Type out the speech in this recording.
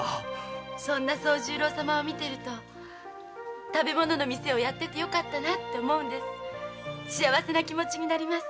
そんな惣十郎様を見ていると食べ物の店をやっててよかったと幸せな気持になります。